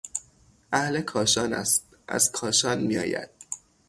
اهل کاشان است، از کاشان میآید.